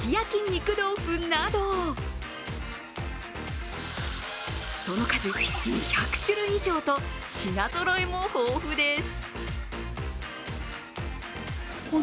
肉豆腐などその数２００種類以上と、品ぞろえも豊富です。